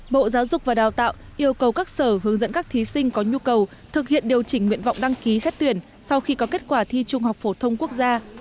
bộ giáo dục và đào tạo yêu cầu các sở hướng dẫn các thí sinh có nhu cầu thực hiện điều chỉnh nguyện vọng đăng ký xét tuyển sau khi có kết quả thi trung học phổ thông quốc gia